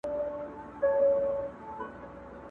د غمونو درته مخ د خوښۍ شا سي!.